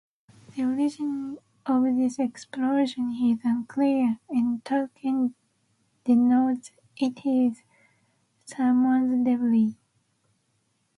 The origin of this explosion is unclear and Tolkien denotes it as "Saruman's devilry".